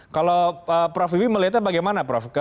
kalau prof wiwi melihatnya bagaimana prof